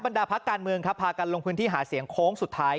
ดาพักการเมืองครับพากันลงพื้นที่หาเสียงโค้งสุดท้าย